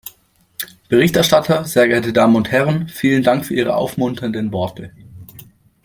BerichterstatterSehr geehrte Damen und Herren! Vielen Dank für all Ihre aufmunternden Worte.